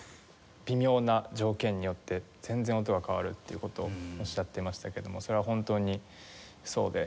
微妙な条件によって全然音が変わるっていう事をおっしゃってましたけどもそれは本当にそうで。